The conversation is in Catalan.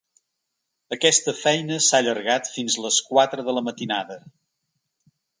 Aquesta feina s’ha allargat fins les quatre de la matinada.